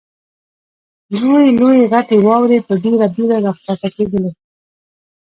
لویې لویې غټې واورې په ډېره بېړه را کښته کېدلې.